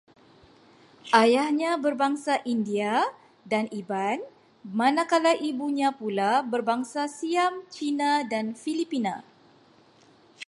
Ayahnya berbangsa India dan Iban, manakala ibunya pula berbangsa Siam, Cina dan Filipina